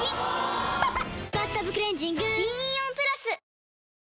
・おぉ「バスタブクレンジング」銀イオンプラス！